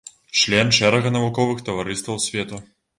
Член шэрага навуковых таварыстваў свету.